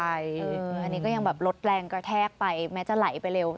อันนี้ก็ยังแบบลดแรงกระแทกไปแม้จะไหลไปเร็ว